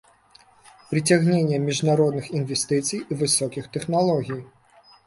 Прыцягненне міжнародных інвестыцый і высокіх тэхналогій.